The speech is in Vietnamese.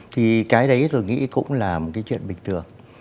thì cái đấy tôi nghĩ cũng là một cái chuyện bình thường